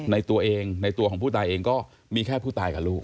ในตัวเองในตัวของผู้ตายเองก็มีแค่ผู้ตายกับลูก